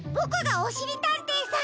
おしりたんていさん